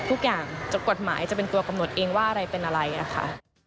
ทุกอย่างกฎหมายจะเป็นตัวกำหนดเองว่าอะไรเป็นอะไรอะค่ะ